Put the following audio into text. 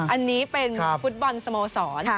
อันนี้เป็นฟุตบอลสโมสร